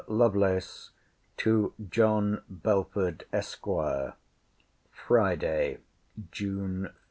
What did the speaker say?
LOVELACE, TO JOHN BELFORD, ESQ. FRIDAY, JUNE 30.